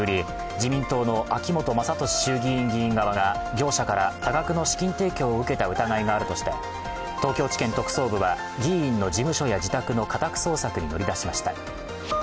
自民党の秋本真利参議院議員側が業者から多額の資金提供を受けた疑いがあるとして東京地検特捜部は議員の事務所や自宅の家宅捜索に乗り出しました。